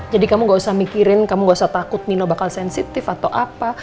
jadi kamu gak usah mikirin kamu gak usah takut nino bakal sensitif atau apa